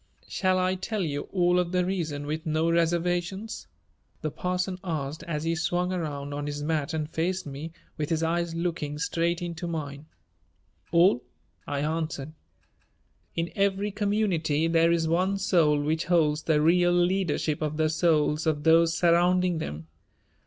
"Shall I tell you all of the reason with no reservations?" the parson asked, as he swung around on his mat and faced me, with his eyes looking straight into mine. "All," I answered. "In every community there is one soul which holds the real leadership of the souls of those surrounding them.